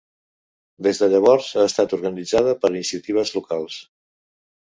Des de llavors, ha estat organitzada per iniciatives locals.